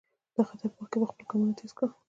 د خطر په وخت کې به یې خپل ګامونه تېز کړل.